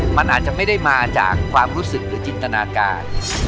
มันอาจจะไม่ได้มาจากความรู้สึกหรือจินตนาการ